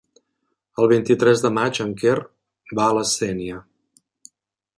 El vint-i-tres de maig en Quer va a la Sénia.